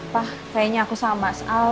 pak kayaknya aku sama mas al